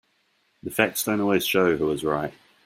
The facts don't always show who is right.